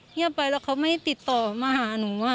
เงียบไปแล้วเขาไม่ติดต่อมาหาหนู